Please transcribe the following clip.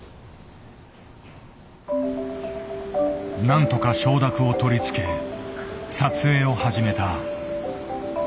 なんとか承諾を取り付け撮影を始めた。